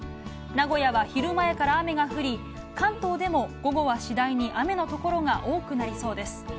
名古屋は昼前から雨が降り、関東でも午後は次第に雨の所が多くなりそうです。